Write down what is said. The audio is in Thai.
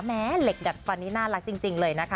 เหล็กดัดฟันนี้น่ารักจริงเลยนะคะ